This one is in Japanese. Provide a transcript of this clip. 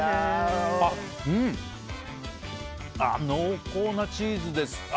濃厚なチーズです。